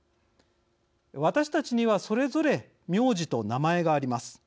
私たちには、それぞれ名字と名前があります。